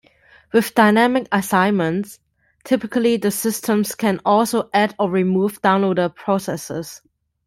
With dynamic assignment, typically the systems can also add or remove downloader processes.